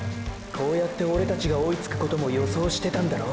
こうやってオレたちが追いつくことも予想してたんだろ？